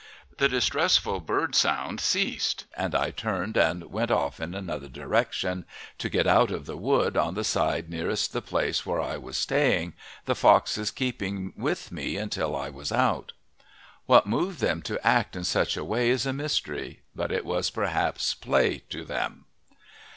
The distressful bird sound ceased, and I turned and went off in another direction, to get out of the wood on the side nearest the place where I was staying, the foxes keeping with me until I was out. What moved them to act in such a way is a mystery, but it was perhaps play to them.